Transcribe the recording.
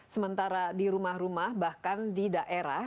sementara di rumah rumah bahkan di daerah